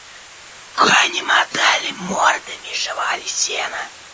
Кони мотали мордами, жевали сено.